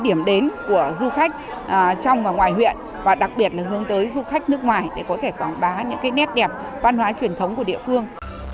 điểm đến của du khách trong và ngoài huyện và đặc biệt là hướng tới du khách nước ngoài để có thể quảng bá những nét đẹp văn hóa truyền thống của địa phương